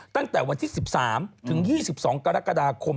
ตั้งแต่วันที่๑๓ถึง๒๒กรกฎาคม